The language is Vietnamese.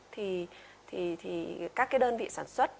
thì các cái đơn vị sản xuất